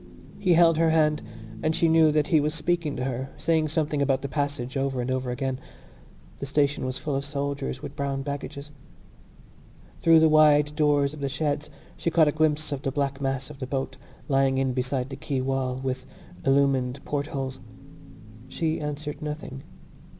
He held her hand and she knew that he was speaking to her, saying something about the passage over and over again. The station was full of soldiers with brown baggages. Through the wide doors of the sheds she caught a glimpse of the black mass of the boat, lying in beside the quay wall, with illumined portholes. She answered nothing.